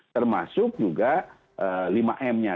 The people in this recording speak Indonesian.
termasuk juga lima m nya